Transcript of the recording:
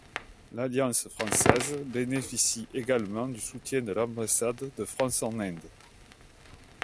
L'Alliance française bénéficie également du soutien de l'Ambassade de France en Inde.